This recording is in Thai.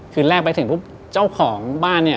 คืนแรกไปถึงปุ๊บเจ้าของบ้านเนี่ย